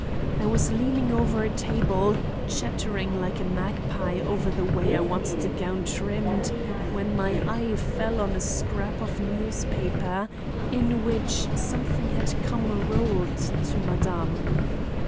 I was leaning over a table, chattering like a magpie over the way I wanted a gown trimmed, when my eye fell on a scrap of newspaper in which something had come rolled to madame.